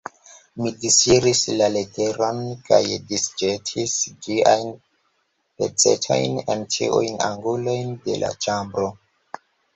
Mi disŝiris la leteron kaj disĵetis ĝiajn pecetojn en ĉiujn angulojn de la ĉambro.